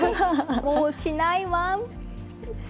もうしないわん。